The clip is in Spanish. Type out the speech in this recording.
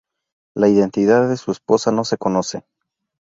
La identidad de su esposa no se conoce.